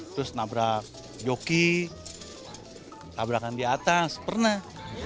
terus nabrak joki tabrakan di atas pernah